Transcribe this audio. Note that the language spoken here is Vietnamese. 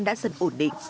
đã dần ổn định